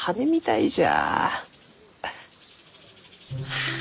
はあ。